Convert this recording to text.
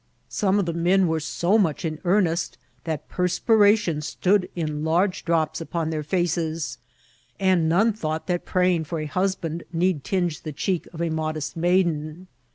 Some of the men were so much in earnest that perspiration stood in large drops upon their faces ; and none thought that praying for a husband need tinge the cheek of a modest maiden.